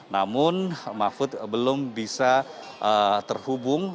namun mahfud belum bisa terhubung